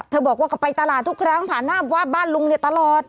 บอกว่าก็ไปตลาดทุกครั้งผ่านหน้าวัดบ้านลุงเนี่ยตลอด